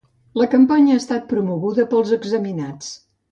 La campanya ha estat promoguda pels examinats